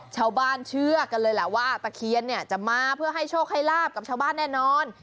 ชาวบ้านเชื่อกันเลยแหละว่าตะเคียนเนี่ยจะมาเพื่อให้โชคให้ลาบกับชาวบ้านแน่นอน